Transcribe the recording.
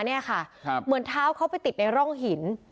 เหมือนเท้าเขาไปติดในร่องหิน